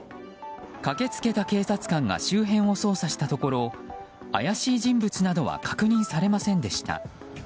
駆け付けた警察官が周辺を捜査したところ怪しい人物などは確認されませんでした。